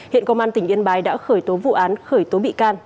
hiện công an tỉnh yên bái đã khởi tố vụ án khởi tố bị can